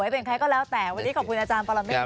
เป็นใครก็แล้วแต่วันนี้ขอบคุณอาจารย์ปรมานเบิ้ลนะครับ